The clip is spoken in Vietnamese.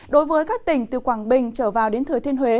đối với các tỉnh từ quảng bình trở vào đến thừa thiên huế